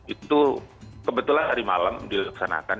itu kebetulan hari malam dilaksanakan